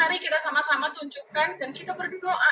hari ini kita sama sama tunjukkan dan kita berdoa